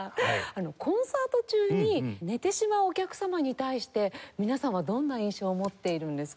あのコンサート中に寝てしまうお客様に対して皆さんはどんな印象を持っているんですか？